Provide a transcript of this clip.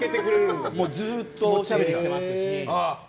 ずっとおしゃべりしてますし。